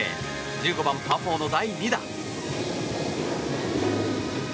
１５番、パー４の第２打。